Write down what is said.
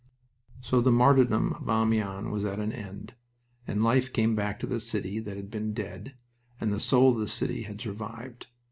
So the martyrdom of Amiens was at an end, and life came back to the city that had been dead, and the soul of the city had survived.